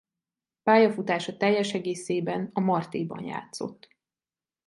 Pályafutása teljes egészében a Martéban játszott.